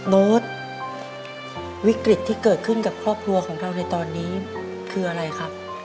โน้ตวิกฤตที่เกิดขึ้นกับครอบครัวของเราในตอนนี้คืออะไรครับ